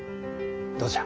どうじゃ？